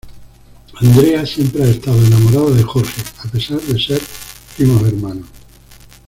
Andrea siempre ha estado enamorada de Jorge, a pesar de ser primos hermanos.